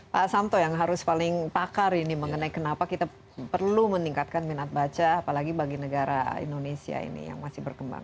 pak samto yang harus paling pakar ini mengenai kenapa kita perlu meningkatkan minat baca apalagi bagi negara indonesia ini yang masih berkembang